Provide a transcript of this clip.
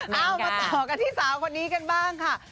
เอามาต่อกันที่สาวคนนี้กันบ้างค่ะ